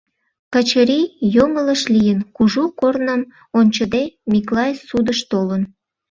Качырий йоҥылыш лийын: кужу корным ончыде Миклай судыш толын.